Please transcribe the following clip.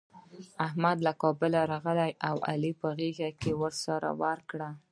احمد له کابله راغی او علي بغل کښي ورسره وکړه.